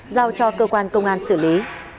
giao cho cơ quan công an xử lý